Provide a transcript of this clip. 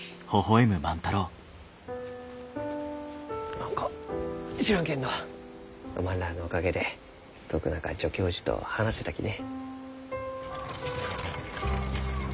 何か知らんけんどおまんらのおかげで徳永助教授と話せたきね。